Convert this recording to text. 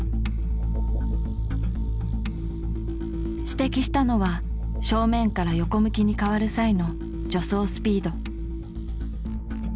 指摘したのは正面から横向きに変わる際の助走スピード。